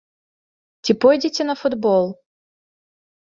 Ці пойдзеце на футбол?